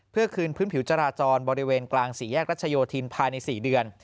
เพื่อคืนพื้นผิวจราจรบริเวณกลางสี่แยกรัชโยธินภายใน๔เดือน